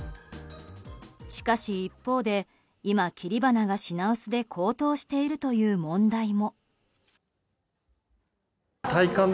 しかし、一方で今、切り花が品薄で高騰しているという問題も。